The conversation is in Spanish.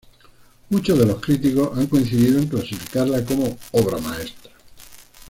Muchos de los críticos han coincidido en clasificarla como "obra maestra".